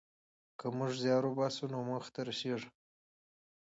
که موږ زیار وباسو نو موخې ته رسېږو.